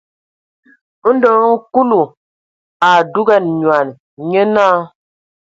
Ndo hm Kúlu a dúgan nyoan, nyé náa.